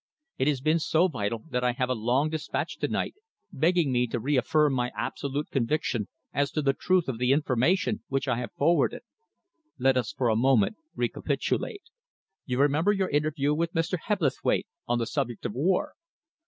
It has been so vital that I have a long dispatch to night, begging me to reaffirm my absolute conviction as to the truth of the information which I have forwarded. Let us, for a moment, recapitulate. You remember your interview with Mr. Hebblethwaite on the subject of war?"